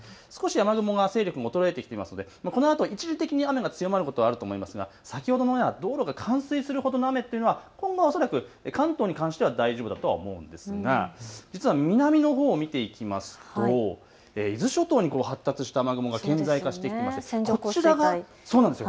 少し雨雲の勢力は衰えているのでこのあと一時的に強まることはありますが先ほどのように冠水するほどの雨というのは今後恐らく関東に関しては大丈夫だと思うんですが実は南のほうを見ていきますと伊豆諸島に発達した雨雲が点在しているんです。